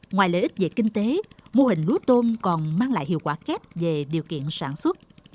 ngoài lợi ích về kinh tế mô hình lúa tôm còn mang lại hiệu quả kép về điều kiện sản xuất